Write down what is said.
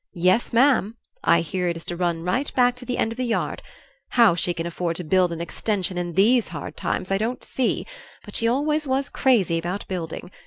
Yes, ma'am. I hear it is to run right back to the end of the yard. How she can afford to build an extension in these hard times I don't see; but she always was crazy about building.